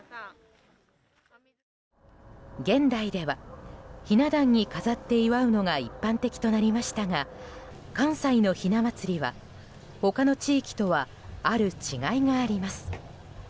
現代ではひな壇に飾って祝うのが一般的となりましたが関西のひな祭りは他の地域とはある違いがあります。